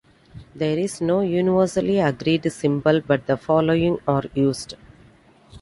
There is no universally agreed symbol but the following are used.